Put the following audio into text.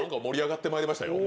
盛り上がってまいりました！